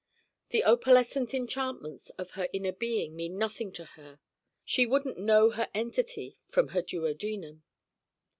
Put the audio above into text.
The opalescent enchantments of her inner being mean nothing to her: she wouldn't know her entity from her duodenum.